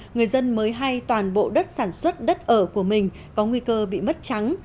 người dân mới hay toàn bộ đất sản xuất đất ở của mình có nguy cơ bị mất trắng